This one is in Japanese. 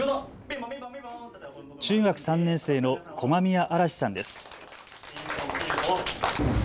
中学３年生の駒宮新士さんです。